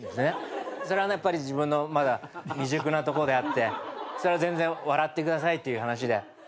それは自分のまだ未熟なとこであってそれは全然笑ってくださいっていう話で。